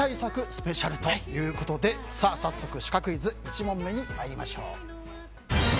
スペシャルということで早速、シカクイズ１問目に参りましょう。